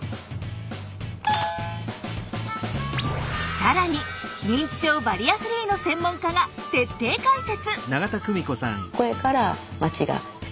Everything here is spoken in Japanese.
更に認知症バリアフリーの専門家が徹底解説！